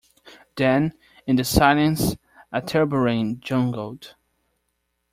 Then, in the silence, a tambourine jangled.